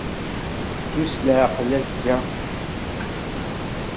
Ddu s leɛqel akya.